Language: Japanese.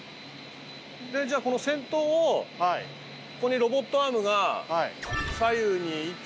じゃあこの先頭をここにロボットアームが左右に１２３つずつあるか。